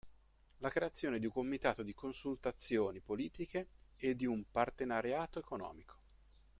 La creazione di un comitato di consultazioni politiche e di un partenariato economico.